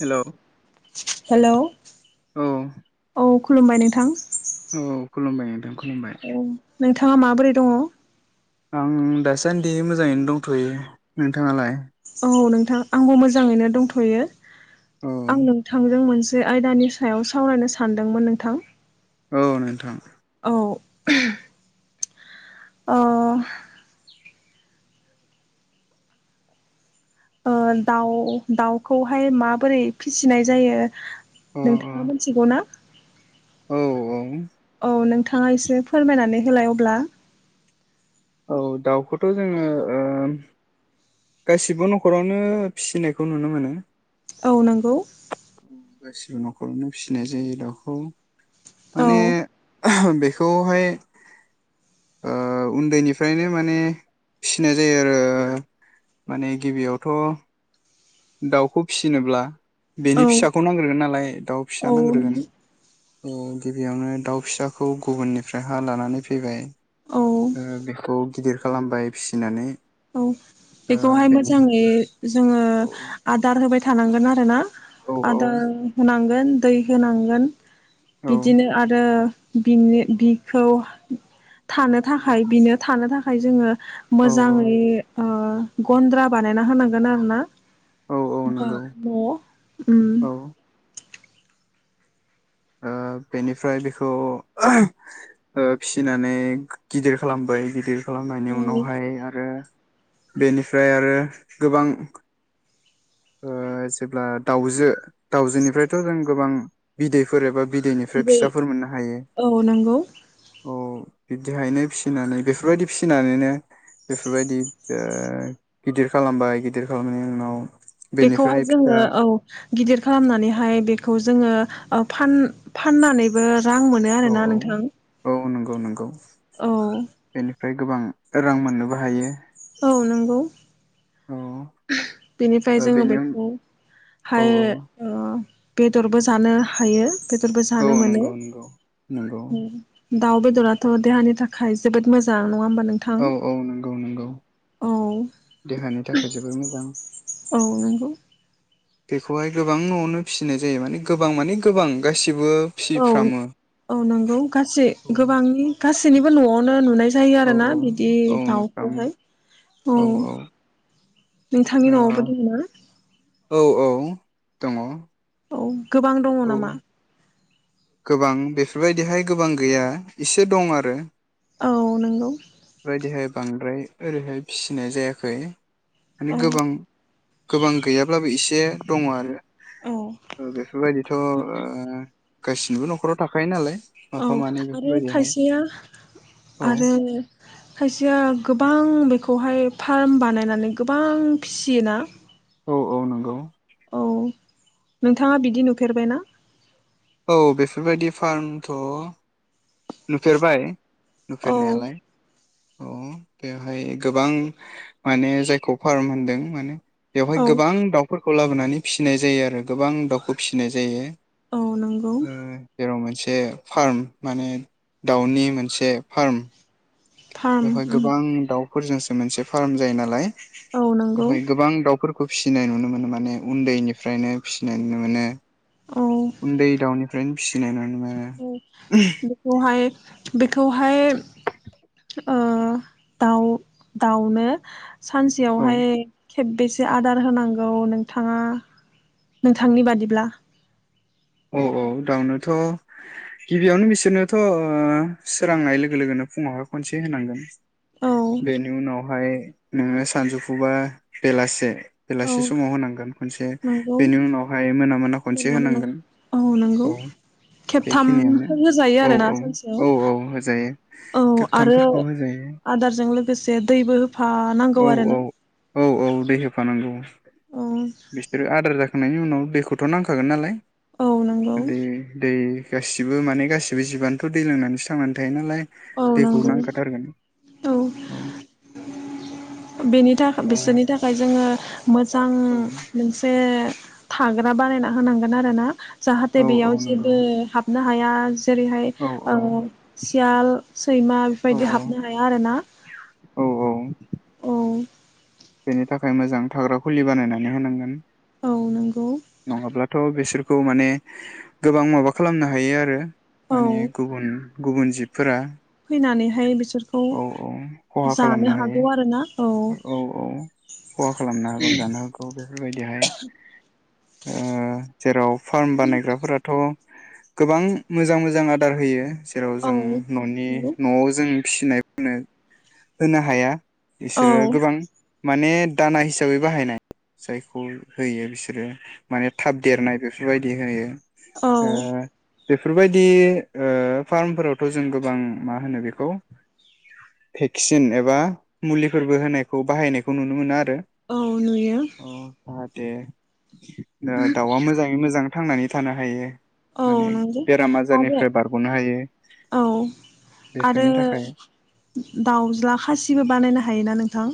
हेल' औ हेलौ औ खुलुमबाय नोंथां औ खुलुमबाय नोंथा खुलुमबाय औ नोंथाङा माबोरै दङ आं दासान्दि मोजाङैनो दंथयो नोंथाङालाय औ नोंथां आंबो मोजाङैनो दंथयो औ आं नोंथांजों मोन से आयदानि सायाव सावरायनो सानदोंमोन नोंथां औ नोंथां औ अ ओ दाउ दाउ खौहाय माबोरै फिसिनाय जायो अ अ नोंथाङा मोनथिगौ ना औ औ औ नोंथाङा एसे फोरमायनानै होलाय अब्ला औ दाउखौथ' जोङो ओ गासिबो न'खरावनो फिसिनायखौ नुनो मोनो औ नंगौ न'खरनि फिसिनाय जायो दाउखौ। औ माने बे खौहाय ओ उन्दैनिफ्रायनो माने फिसिनाय जायो आरो माने गिबियावथ' दाउखौ फिसिनोब्ला औ बेनि फिसाखौ नांग्रोन नालाय दाउ औ फिसा नांग्रोगोन गिबियावनो दाउ फिसाखौ गुबुननिफ्राय हा लानानै फैबाय, औ बेखौ गिदिर खालामबाय फिसिनानै औ ओ बेखौहाय बेनि मोजाङै जोङो औ आदार होबाय थानां थांगोन आरो ना? औ औ आदार होनां गोन दै होनांगोन औ बिदिनो आरो बिनो बिखौ थानो थाखाय बिनो थानो था खाय जोङो औ मोजाङै ओ गन्द्रा बानायना होनांगोन आरो ना औ औ नंगौ औ उम औ ओ ओ बेनिफ्राय बेखौ ओ फिसिनानै गिदिर खालामबाय गिदिर खालामनायनि उनावहाय आरो बेनिफ्राय आरो गोबां ओ जेब्ला दाउजो दाउजोनिफ्रायथ' जों गोबां बिदैफोर एबा बिदैनिफ्राय बिदै फिसाफोर मोननो हायो औ नंगौ औ बिब्दिहायनो फिसिनानै बेफोरबायदि फिसिनानैनो बेफोरबायदि ओ गिदिर खालामबाय गिदिर खालामनायनि उनाव बेखौहाय बेनिफ्राय फिसा जोङो औ गिदिर खालामनानैहाय बेखौ जोङो ओ फान फाननानैबो रां मोनो औ आरोना नोंथां औ नोंगौ औ ओमफ्राय गोबां रां मोननोबो हायो औ नंगौ औ बेनिफ्राय ओ जोङो बेनि उन औ बेखौहाय औ ओ बेदरबो जानो हायो। बेदरबो जानो औ मोनो। नंगौ नंगौ नंगौ दाउ बेदराथ' देहानि थाखाय जोबोद मोजां नङा होमबा? नोंथां औ औ नंगौ नंगौ। औ देहानि थाखाय जोबोर मोजां। औ नोंगौ। बेखौहाय गोबां न'आवनो फिसिनाय जायो माने गोबां माने गोबां गासि औ औ नंगौ गासै औ गोबांनि गास सैनिबो न'आवनो नुनाय जा जायो औ आरोना औ बिदि औ नुफ्रामो दाउखौहाय औ नोंथांनि ओ न'आवबो दङ ना। औ औ दङ। औ। गोबां दङ नामा? गोबां बेफोरबायदिहाय गोबां गैया इसे दं आरो। औ नंगौ। बेबायदिहाय बांद्राय ओरैहाय फिसिनाय जायाखै। माने औ गोबां गोबां गैयाब्लाबो एसे दङ आरो। औ बेफोरबायदिथ' ओ गासिनिबो नख'राव थाख खायो नालाय। औ माफा मानै आरो बेफोरबायदिहाय खायसेया औ आरो खायसेया गोबां बेखौहाय फार्म बानायनानै गोबां फिसियोना। औ औ नंगौ। औ नोंथाङा बिदि नुफेरबायना? औ बेफोरबायदि फार्मथ' नुफेरबाय। औ नुफेरनायालाय। अ बेवहाय गोबां माने जायखौ फार्म होनदों माने बेवहाय औ गोबां दाउ। फोरखौ लाबोनानै फिसिनाय जायो आरो गोबां दाउखौ फिसिनाय जायो। औ नंगौ [unintelligible] जे फार्म माने दाउनि मोनसे फार्म फार्म बेवहाय उम गोबां दाउ। फोरजोंसो मोनसे फार्म जायो नालाय। औ नंगौ गोबां दाउफोर फिसिनाय नुनो मोनो माने उन्दैनिफ्रायनो फिसिनाय नुनो मोनो। उन्दै दाउनिफ्रायनो फिनायनानै नु उम बेखौहाय बेखौहाय ओ दाउ दाउनो औ सानसेआवहाय खेबबेसे आदार होनांगौ नोंथाङा नोंथांनि बादिब्ला औ औ दावनोथ गिबियावनो बिसोरनोथ ओ सोरांनाय लोगो लोगोनो फुङावहाय खनसे होनांगोन औ बेनि उनावहाय नोङो सानजौफुुबा बेलासे औ बेलासि समाव होनांगोन खनसे नंगौ बेनि उनावहाय मोना मोना खनसे होनांगोन। औ नोंगौ औ बेखिनियानो खेबथामफोर होजायो औ आरोना औ सानसेयाव औ औ होजायो औ आरो खेबथामफोरखौ होजायो आदारजों लोगोसे दैबो होफानांगौ औ औ आरोना। औ औ दै होफानांगौ। औ बिसोरो आदार जा थांनायनि उनाव दैखौथ नांखागोन नालाय औ नंगौ । दे दे। गासिबो माने गासिबो जिबआनोथ' दै लोंनानैसो थांनानै थायो नालाय। औ दैखौ नंगौ नांखाथारगोन औ बेनि थाखाय ओ, बिसोरनि थाखाय जोङो मोजां औ मोनसे थाग्रा बानायना होनांगोन आरो ना। जाहाथे औ औ बेयाव नंगौ जेबो हाबनो हा हाया जा जेरैहाय औ ओम सियाल सैमा औ बेेफोरबायदि हाबनो हाया आरो ना। औ औ। औ। बेनि थाखाय मोजां थाग्रा खुलि बानायनानै होनांगोन। औ नंगौ नङाब्लाथ' बेसोर खौ माने गोबां माबा खालामनो हायो आरो औ माने गुबुन गुबुन जिब फैनानैहाय बिसोरखौ औ औ खहा खालामनो जानो हायो हागौ आरोना। औ औ खहा खालामनो हागौ जानो हागौ बेफोरबायदिहाय ओ जेराव फार्म बानायग्राफोराथ' गोबां मोजां मोजां आदार होयो जेराव औ जों न'नि नंगौ। न'आव जों फिसिनायफोरनो होनो हाया। बिसोरो औ गोबां माने दाना हिसाबै बाहायनाय जायखौ होयो बिसोरो माने थाब देरनाय बेफोरबायदि होयो। औ ओ बेफोरबायदि ओ फार्मफोरावथ' जों गोबां मा होनो बेखौ भेक्सिन एबा मुलिफोरबो होनायखौ बाहायनायखौ नुनो मोनो आरो। औ नुयो। दे ओ दाउआ मोजाङै मोजां थांनानै थानो हायो औ माने नंगौ बेराम आरो आजारनिफ्राय बारग'नो हायो औ आरो बेफोरनि थाखाय दाउज्ला खासिबो बानायनो हायोना नोंथां?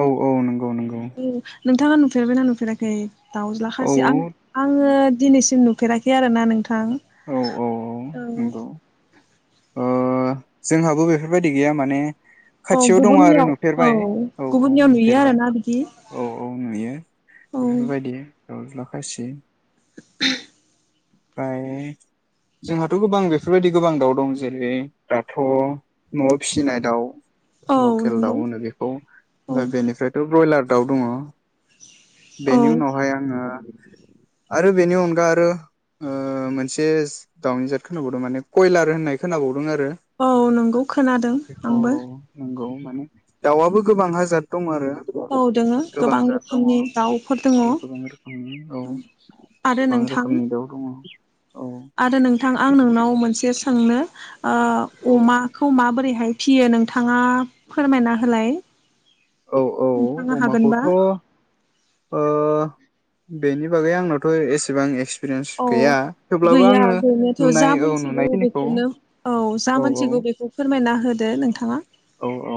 औ औ नंगौ। औ नंगौ। नोंथाङा नुफेरबाय ना नुफेराखै? दाउज्ला औ खासि आं आङो दिनैसिम नु फेराखै आरो ना नोंथां? औ औ थां औ नंगौ ओ जोंहाबो बेफोरबायदि गैया माने औ खाथियाव दङ आरो गुबुननियाव नुफेरबाय औ औ गुबुननियाव नुयो नुफेरबाय आरोना बिदि औ औ नुयो औ बेफोरबायदि। दावज्ला खासि [inaudible] ओमफ्राय जोंहाथ' गोबां बेफोरबायदि गोबां दाउ दं जेरै दाथ' न'आव फिसिनाय दाउ औ लकेल नंगौ दाउ होनो बेखौ औ ओमफ्राय बेनिफ्रायथ' बयलार दाउ दङ। औ बेनि उनावहाय आङो आरो बेनि अनगा आरो ओ मोनसे दाउनि जाद खोनाबावदों माने कयलार होननाय खोनाबावदों आरो। औ नोंगौ खोनादों बेखौ आंबो। नंगौ दाउआबो गोबां हाजार दं आरो। औ दोङो गोबां जाद दङ रोखोमनि दाउफोर दङ औ गोबां रोखोमनि औ आरो गोबां नोंथां रोखोमनि दाउ दङ। औ आरो नोंथां आं नोंनाव मोनसे सोंनो ओ औ अमाखौ माबोरैहाय फियो नोंथाङा फोरमायना होलाय औ औ नोंथाङा हागोनबा अमाखौथ' ओ बेनि बागै आंनावथ' एसेबां एक्स औ गैया गैनायाथ' नुनाय जा औ मोनथिगौ नुनायखिनिखौ बेखौनो औ जा मोनथिगौ बेखौ फोरमायना होदो नोंथाङा औ औ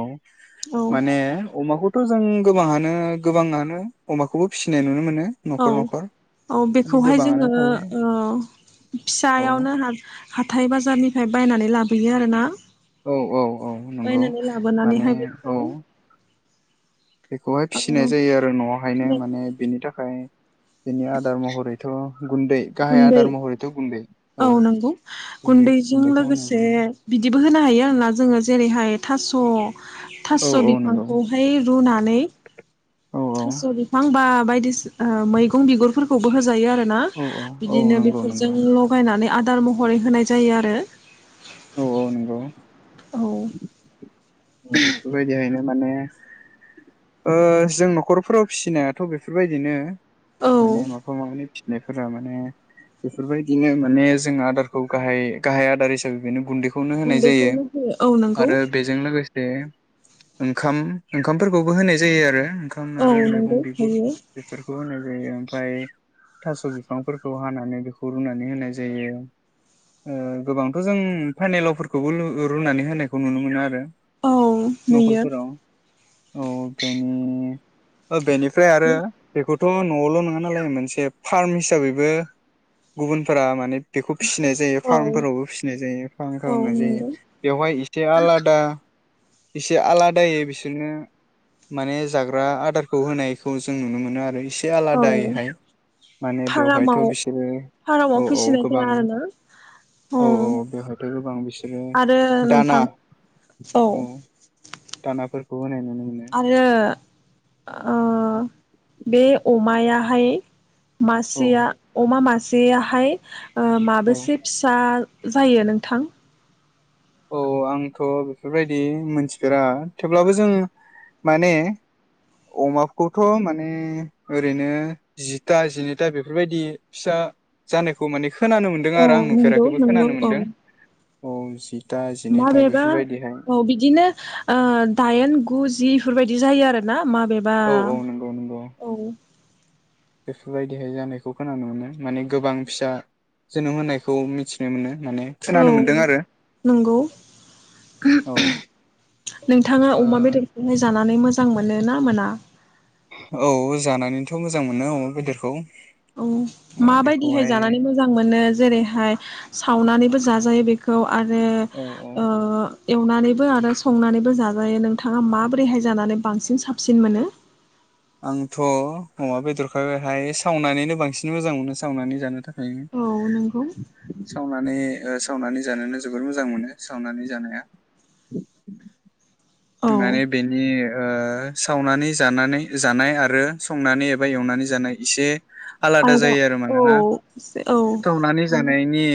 औ माने अमाखौ थ' जों गोबाङानो गोबाङानो अमाखौबो फिसिनाय नुनो मोनो औ न'खर न'खर औ माने बेखौहाय गोबाङानो जोङो थायो ओ औ फिसायावनो हाथाय बाजारनिफ्राय बायनानै लाबोयो आरोना औ औ औ नंगौ बायनानै माने लाबोनानैहाय बेखौ औ बेखौहाय ओ फिसिनाय जायो आरो न'आवहायनो माने बेनि थाखाय ओमफ्राय बिनि आदार महरैथ' गुन्दै गाहाय गुन्दै आदार महरैथ' गुन्दै औ गुन्दै गुन्दैखौ होनाय जायो। बो होनो हायो आरोना जोङो जेरैहाय थास' थास' औ औ नंगौ बिफांखौहाय रुनानै औ औ थास' बिफां बा बायदिसि ओ मैगं बिगुरफोरखौबो होजायो आरो ना औ औ औ बिदिनो नंगौ बेफोरजों नंगौ लगायनानै आदार मह रै होनाय जायो आरो औ औ नंगौ [inaudible] औ बेफोरबायदिहायनो माने ओ जों न'खरफोराव फिसिनायाथ' बेफोरबायदिनो औ माने माफा मानै फिसिनायफोरा माने बेफोरबायदिनो माने जों आदारखौ गाहाय गाहाय आदार हिसाबै बेनो गुन्दैखौ गुनदैखौनो होयो औ नोंगौ बे ओंखाम ओंखामफोरखौबो होनाय जायो आरो ओंखाम औ आरो मैगं नंगौ बिगुर होयो बेफोरखौ ओमफ्राय थास' बिफांफोरखौ हानानै बेखौ रुनानै होनाय जायो ओ गोबांथ' जों फानिलावफोरखौबो लु रुनानै होनायखौ नुनो मोनो आरो औ नुयो नखरफोराव औ बेनि ओ बेनिफ्राय आरो बेखौ थ' न'आवल' नङा नालाय मोनसे फार्म हिसाबैबो गुबुनफोरा माने बेखौ फिसिनाय जायो औ फार्मफोरावबो फिसिनाय जायो फार्म औ खालामनाय जायो नंगौ बेवहाय इसे आलादा इसे आलादायै बिसोरनो माने जाग्रा आदारखौ होनायखौ जों नुनो मोनो आरो इसे औ आलादायैहाय माने बेवहायथ' फारामाव बिसोरो फारामाव औ औ फिसिनायफोरा गोबां आरोना औ औ बेवहायथ' गोबां बिसोरनो आरो दाना नोंथां औ दानाफोर बो होनाय मोनो आरो ओ बे अमाया फाय औ मासेया अमा मासेयाहाय ओ औ माबोसे फिसा जायो नोंथां? औ आंथ' बेफोरबायदि मोनथिफेरा थेवब्लाबो जों माने अमाखौथ' माने ओरैनो जिथा जिनैथा बेफोरबायदि फिसा जानायखौ माने खोनानो मोन्दों औ आरो आं नंगौ नुफेराखैबो नंगौ खोनानो औ मोन्दों औ जिथा जिनैथा माबेबा बेफोरबायदिहाय औ बिदिनो ओ दाइन, गु, जि, बेफोरबायदि जायो आरोना मा बेबा औ औ नंगौ नंगौ औ। बेफोरबायदिहाय जानायखौ खोनानो मोनो माने गोबां फिसा जोनोम होनायखौ मिथिनो मोनो। माने औ खोनानो मोन्दों आरो नंगौ औ नोंथाङा ओ अमा बेदरखौ जाना नै मोजां मोनोना मोना? औ जानानैथ' मोजां मोनो औ बेदरखौ। औ अ माबायदिहाय बेखौहाय जानानै मोजां मोनो जेरैहाय सावनानै, जाजायो बेखौ आरो औ औ ओ। एवनानैबो आरो संनानैबो जाजायो नोंथाङा माबोरैहाय जानानै बांसिन साबसिन मोनो। आंथ' अमा बेदरखायहाय सावनानैनो बांसिन मोजां मोनो सावनानै जानो थाखाय। औ नंगौ जायो सावनानै ओ। सावनानै जानोनो जोबोर मोजां मोनो सावनानै जानाया। माने बेनि ओ सावनानै जानानै जानाय आरो संनानै एबा एवनानै जानाय इसे आलादा आलदा जायो आरो औ मानोना औ टौनानै जानायनि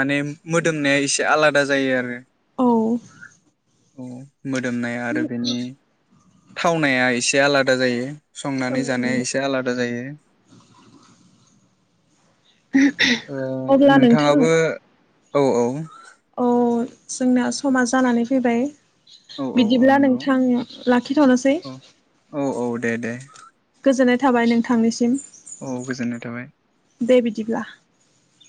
माने मोदोमनाया इसे आलादा जायो आरो। औ। अ मोद मोदोमनाय आरो बेनि थावनाया इसे आलादा जायो संनानै जानाया इसे आलादा जायो। ओ अब्ला नोंथां नोंथाङाबो। औ औ। औ जोंना समा जानानै फैबाय औ औ औ बिदिब्ला नंगौ नोंथां लाखिथ'नोसै। औ औ औ दे दे। गोजोननाय थाबाय नोंथांनिसिम। औ गोजोननाय थाबाय। दे बिदिब्ला।